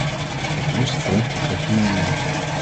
Het eerste front betreft de media.